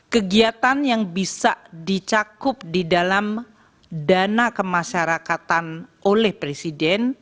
kegiatan yang bisa dicakup di dalam dana kemasyarakatan oleh presiden